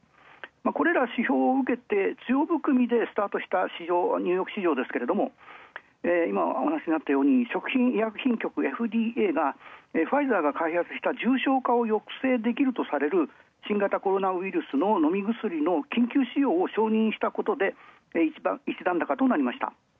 これら指標を受けて強含みでスタートしたニューヨーク市場ですけれど今、お話にあったように食品医薬品局ＦＤＡがファイザーが開発した新型コロナウイルスの飲み薬の緊急使用を承認したことで一段だかとなりました。